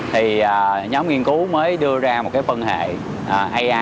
thì nhóm nghiên cứu mới đưa ra một cái phân hệ ai